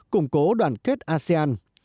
củng cố đoàn kết asean